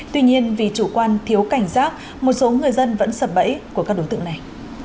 tuy nhiên vì chủ quan thiếu cảnh giác một số người dân vẫn sập bẫy của các đối tượng này